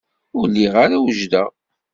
Ur lliɣ ara wejdeɣ.